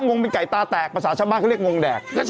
งงเป็นไก่ตาแตกภาษาชาวบ้านเขาเรียกงงแดก